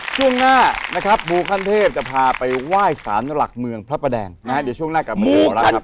ช่วงหน้านะครับมูคันเทพจะพาไปว่ายสารหลักเมืองพระแปดแดงนะฮะเดี๋ยวช่วงหน้ากลับมาเจอกันแล้วนะครับ